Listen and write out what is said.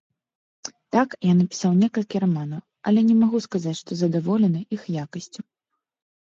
Так, я напісаў некалькі раманаў, але не магу сказаць, што задаволены іх якасцю.